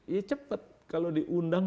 ya cepet kalau diundang